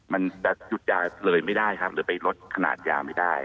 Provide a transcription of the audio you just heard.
แต่หยุดยาเลยไม่ได้จะเป็นลดขนาดยาไม่ได้